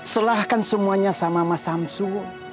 selahkan semuanya sama mas samsu